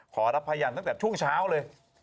ขอรับพยานตั้งแต่ช่วงเช้าเลย